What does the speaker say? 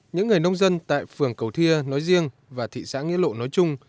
những người nông dân tại phường cầu thia nói riêng và thị xã nghĩa lộ nói chung